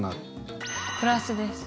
プラスです。